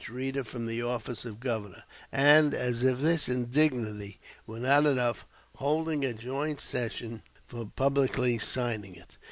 Reeder from the office of governor"; and, as if this indignity were not enough, holding a joint session for publicly signing it.